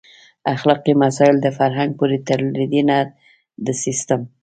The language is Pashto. اخلاقي مسایل د فرهنګ پورې تړلي دي نه د سیسټم.